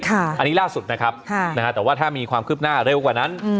อันนี้ล่าสุดนะครับแต่ว่าถ้ามีความคืบหน้าเร็วกว่านั้น